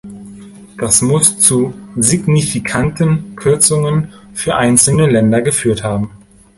Das muss zu signifikanten Kürzungen für einzelne Länder geführt haben.